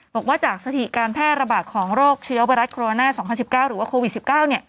บอกว่าจากสถิการแทร่ระบาดของโรคเชื้อเบรอรัสโครโรนาหรือว่าโควิด๑๙เนี่ย